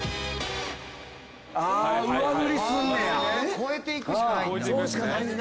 ⁉超えていくしかないんだ。